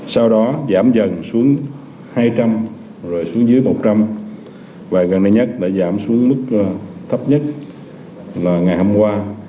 sau đó giảm dần xuống hai trăm linh rồi xuống dưới một trăm linh và gần đây nhất đã giảm xuống mức thấp nhất là ngày hôm qua